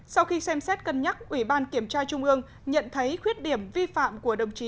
sau khi xem xét cân nhắc ủy ban kiểm tra trung ương nhận thấy khuyết điểm vi phạm của đồng chí